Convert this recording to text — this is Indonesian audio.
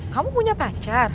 kamu punya pacar